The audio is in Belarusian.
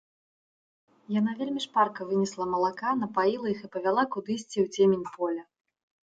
Яна вельмі шпарка вынесла малака, напаіла іх і павяла кудысьці ў цемень поля.